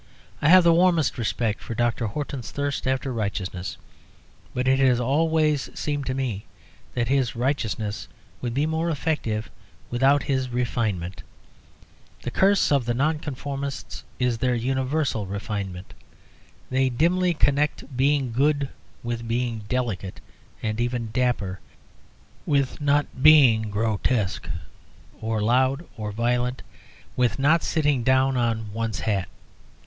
I have the warmest respect for Dr. Horton's thirst after righteousness; but it has always seemed to me that his righteousness would be more effective without his refinement. The curse of the Nonconformists is their universal refinement. They dimly connect being good with being delicate, and even dapper; with not being grotesque or loud or violent; with not sitting down on one's hat.